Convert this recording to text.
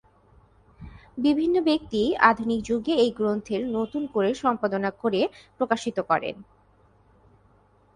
বিভিন্ন ব্যক্তি আধুনিক যুগে এই গ্রন্থের নতুন করে সম্পাদনা করে প্রকাশিত করেন।